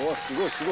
すごい！